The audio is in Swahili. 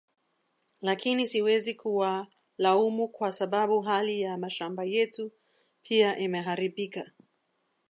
lakini ziwezi kuwalaumu kwa sababu hali ya mashamba yetu pia imeharibika